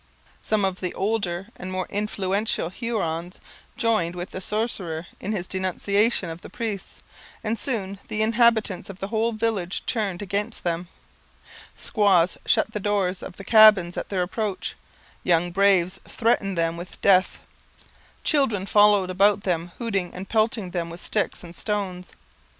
Some of the older and most influential Hurons joined with the sorcerer in his denunciation of the priests, and soon the inhabitants of the whole village turned against them. Squaws shut the doors of the cabins at their approach, young braves threatened them with death, children followed them about hooting and pelting them with sticks and stones.